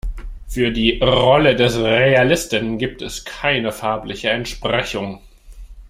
Für die Rolle des Realisten gibt es keine farbliche Entsprechung.